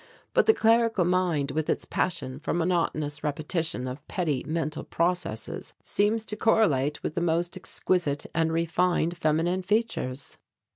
But the clerical mind with its passion for monotonous repetition of petty mental processes seems to correlate with the most exquisite and refined feminine features.